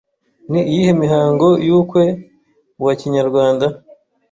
Ni iyihe mihango y’uukwe wa Kinyarwanda